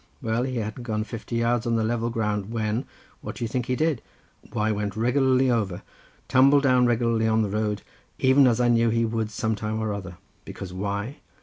Well, he hadn't gone fifty yards on the level ground, when, what do you think he did? why, went regularly over, tumbled down regularly on the road, even as I knew he would some time or other, because why?